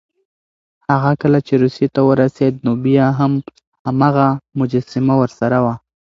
هغه کله چې روسيې ته ورسېد، نو بیا هم هماغه مجسمه ورسره وه.